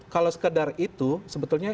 kalau sekedar itu sebetulnya